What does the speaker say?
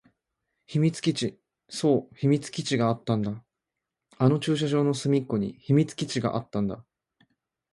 秘密基地。そう、秘密基地があったんだ。あの駐車場の隅っこに秘密基地があったんだ。